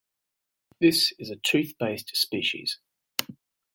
This is a tooth-based species.